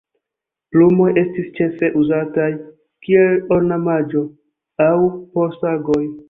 Plumoj estis ĉefe uzataj kiel ornamaĵo aŭ por sagoj.